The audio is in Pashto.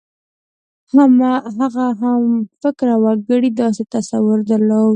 هغه همفکره وګړو داسې تصور درلود.